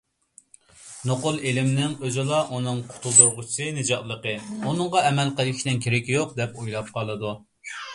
نوقۇل ئىلىمنىنڭ ئۆزىلا ئۇنىڭ قۇتۇلدۇرغۇچىسى، نىجاتلىقى، ئۇنىڭغا ئەمەل قىلىشنىڭ كېرىكى يوق، دەپ ئويلاپ قالىدۇ.